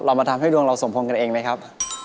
มาทำให้ดวงเราสมพงษ์กันเองไหมครับ